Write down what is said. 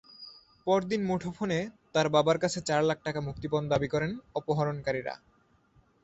পরদিন মুঠোফোনে তার বাবার কাছে চার লাখ টাকা মুক্তিপণ দাবি করেন অপহরণকারীরা।